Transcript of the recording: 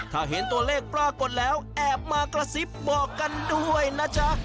ถ้าเห็นตัวเลขปรากฏแล้วแอบมากระซิบบอกกันด้วยนะจ๊ะ